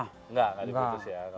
enggak diputus ya